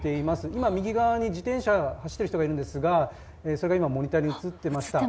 今、右側に自転車で走っている人がいるんですが、それが今モニターに映っていました。